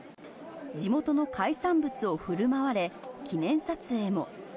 地元の海産物をふるまわれ、記念撮影も。